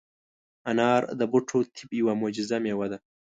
انار د بوټو طب یوه معجزه مېوه ده.